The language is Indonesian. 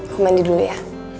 aku mandi dulu ya